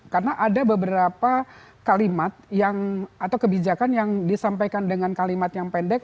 karena ada beberapa kalimat atau kebijakan yang disampaikan dengan kalimat yang pendek